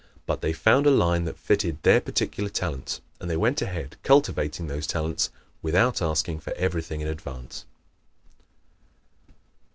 But they found a line that fitted their particular talents, and they went ahead cultivating those talents without asking for everything in advance.